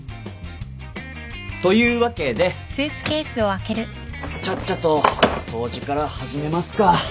というわけでちゃっちゃと掃除から始めますか。